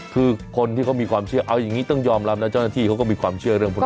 คือคนที่เขามีความเชื่อเอาอย่างนี้ต้องยอมรับนะเจ้าหน้าที่เขาก็มีความเชื่อเรื่องพวกนี้